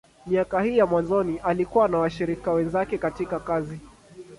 Miaka hii ya mwanzoni, alikuwa na washirika wenzake katika kazi.